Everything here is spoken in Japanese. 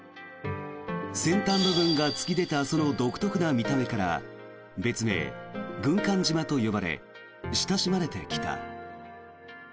先端部分が突き出たその独特な見た目から別名・軍艦島と呼ばれ親しまれてきた。